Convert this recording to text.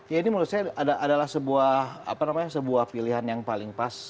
ya ini menurut saya adalah sebuah pilihan yang paling pas